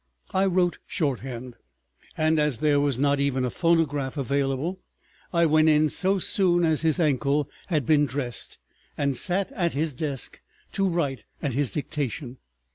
I wrote shorthand, and as there was not even a phonograph available, I went in so soon as his ankle had been dressed, and sat at his desk to write at his dictation.